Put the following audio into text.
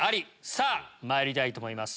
さぁまいりたいと思います